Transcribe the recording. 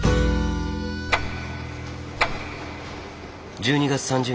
１２月３０日。